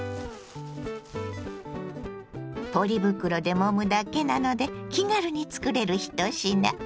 ポリ袋でもむだけなので気軽につくれる一品。